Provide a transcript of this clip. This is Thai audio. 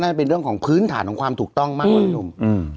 น่าจะเป็นเรื่องของพื้นฐานของความถูกต้องมาก